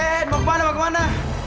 eh mau kemana kemana